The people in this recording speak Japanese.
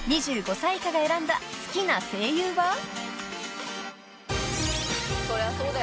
［２５歳以下が選んだ好きな声優は］